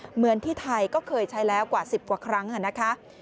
เหมือนที่ไทยก็เคยใช้แล้วกว่า๑๐กว่าครั้งนะคะ